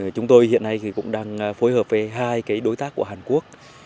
chúng tôi hiện nay cũng đang phối hợp với hai đối tác của hàn quốc